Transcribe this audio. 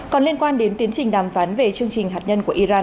còn liên quan đến tiến trình đàm phán về chương trình hạt nhân của iran